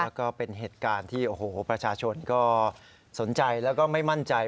แล้วก็เป็นเหตุการณ์ที่โอ้โหประชาชนก็สนใจแล้วก็ไม่มั่นใจ